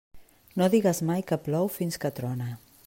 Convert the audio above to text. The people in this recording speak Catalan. No digues mai que plou fins que trone.